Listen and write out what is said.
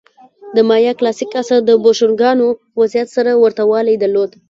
د مایا کلاسیک عصر د بوشونګانو وضعیت سره ورته والی درلود.